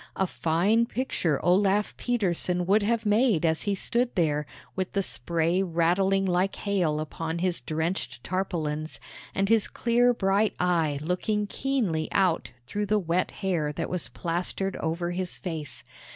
A fine picture Olaf Petersen would have made as he stood there, with the spray rattling like hail upon his drenched tarpaulins, and his clear bright eye looking keenly out through the wet hair that was plastered over his face.